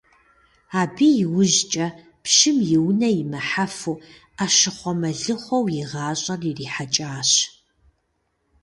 Абы иужькӏэ, пщым и унэ имыхьэфу, Ӏэщыхъуэ-мэлыхъуэу и гъащӀэр ирихьэкӏащ.